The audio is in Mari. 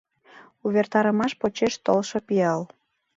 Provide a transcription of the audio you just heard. УВЕРТАРЫМАШ ПОЧЕШ ТОЛШО ПИАЛ